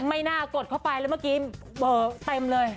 ไม่น่ากดเข้าไปแล้วเมื่อกี้เบอร์เต็มเลย